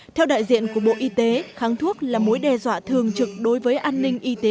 theo đại diện của bộ y tế kháng thuốc là mối đe dọa thường trực đối với an ninh y tế